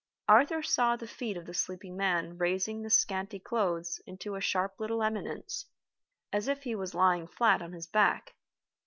Arthur saw the feet of the sleeping man raising the scanty clothes into a sharp little eminence, as if he was lying flat on his back.